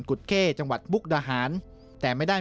มกดาหารพบว่ารถคลันต์กล่าว